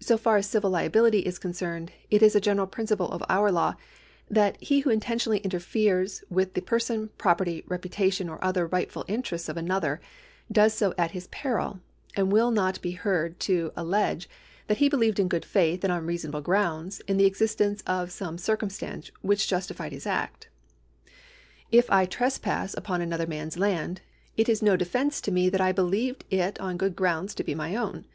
So far as civil liability is concerned, it is a general ])rinciple of our law that he who intentionally interferes with the per son, property, reputation, or other rightfid interests of another does so at his peril, and will not be heard to allege that he believed in good faith and on reasonable grounds in the existence of some circumstance which justified his act. If I trespass upon another man's land, it is no defence to me that I believed it on good grounds to be my own.